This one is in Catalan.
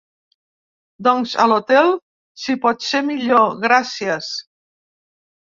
Doncs a l'hotel si pot ser millor gràcies.